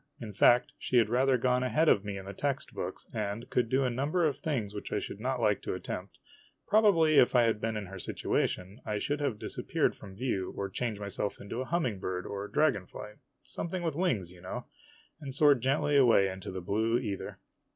In fact, she had rather gone ahead of me in the text books, and could do a number of things which I should not like to attempt. Probably, if I had been in her situation, I should have disappeared from view, or changed myself into a humming bird or a dragon THE ROYAL GUARDS SURROUND THE ASTROLOGER'S NIECE. fly, something with wings, you know, and soared gently away into the blue ether.